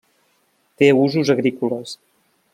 Té usos agrícoles.